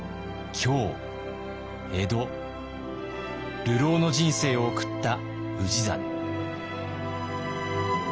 江戸流浪の人生を送った氏真。